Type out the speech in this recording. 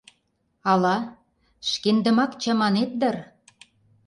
Ала... шкендымак чаманет дыр?!